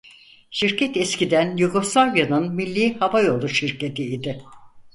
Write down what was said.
Şirket eskiden Yugoslavya'nın millî havayolu şirketi idi.